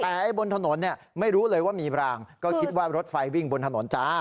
แต่บนถนนเนี่ยไม่รู้เลยว่ามีรางก็คิดว่ารถไฟวิ่งบนถนนจ้า